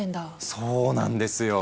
そうなんですよ。